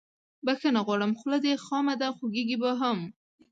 بخښنه غواړم خوله دې خامه ده خوږیږي به هم